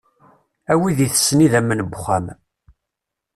A wid itessen idamen n wuxxam.